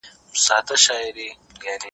ایا ته د خپل ښوونکي درناوی کوې؟